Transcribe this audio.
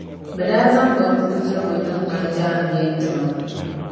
be daa zaŋ bimbuɣisirigu din ŋmani jaaŋgbee ti ma.